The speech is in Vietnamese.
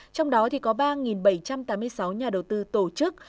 trong đó có ba bảy trăm tám mươi sáu nhà đầu tư tổ chức